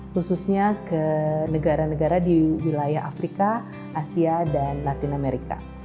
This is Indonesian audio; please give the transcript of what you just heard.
khususnya ke negara negara di wilayah afrika asia dan latin amerika